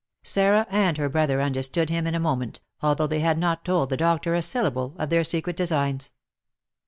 Sarah and her brother understood him in a moment, although they had not told the doctor a syllable of their secret designs.